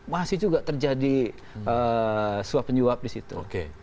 masih juga terjadi suap penyuap di situ